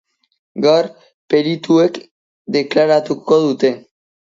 Gaur perituek deklaratuko dute.